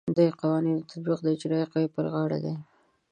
د قوانینو تطبیق د اجرائیه قوې پر غاړه دی.